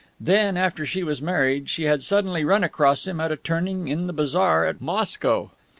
Then, after she was married, she had suddenly run across him at a turning in the bazaar at Moscow.